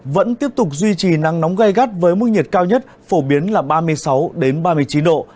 vẫn tiếp tục duy trì nắng nóng gây gắt với mức nhiệt cao nhất phổ biến là ba mươi sáu ba mươi chín độ